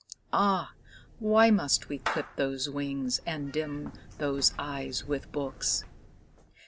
Ah! why must we clip those wings and dim those eyes with books?